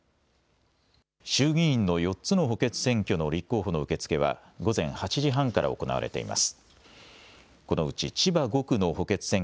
衆議院の４つの補欠選挙の立候補の受け付けは午前８時半から行われています。